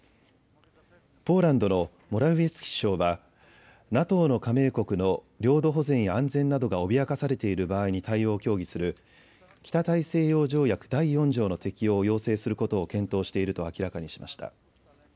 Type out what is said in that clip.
ポーランドのモラウィエツキ首相はＮＡＴＯの加盟国の領土保全や安全などが脅かされている場合に対応を協議する北大西洋条約第４条の適用を要請することを検討していると明らかにしました。